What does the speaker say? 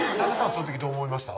その時どう思いました？